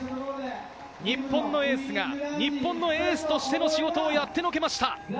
日本のエースが日本のエースとしての仕事をやってのけました。